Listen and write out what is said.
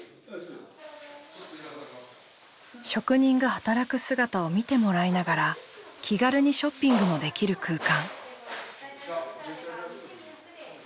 職人が働く姿を見てもらいながら気軽にショッピングもできる空間。